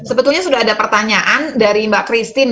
sebetulnya sudah ada pertanyaan dari mbak christine